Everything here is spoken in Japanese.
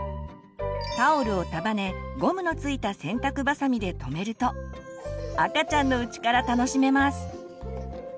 タオルを束ねゴムの付いた洗濯ばさみでとめると赤ちゃんのうちから楽しめます。